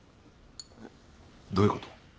どういうこと？